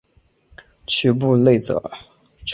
屈布内泽。